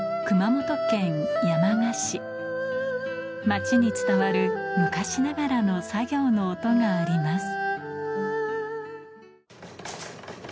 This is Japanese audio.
町に伝わる昔ながらの作業の音があります